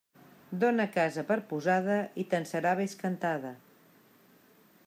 Dóna casa per posada i te'n serà bescantada.